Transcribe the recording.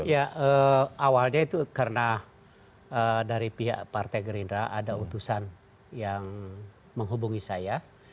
ya awalnya itu karena dari pihak partai gerindra ada utusan yang menghubungi saya